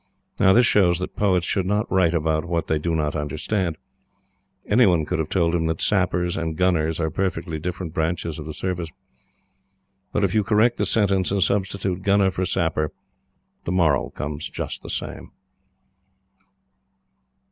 Now this shows that poets should not write about what they do not understand. Any one could have told him that Sappers and Gunners are perfectly different branches of the Service. But, if you correct the sentence, and substitute Gunner for Sapper, the moral comes just the same.